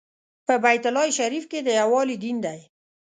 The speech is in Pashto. په بیت الله شریف کې د یووالي دین دی.